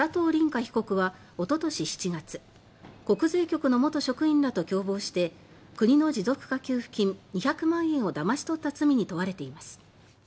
凛果被告は、おととし７月国税局の元職員らと共謀して国の持続化給付金２００万円をだまし取った罪に問われています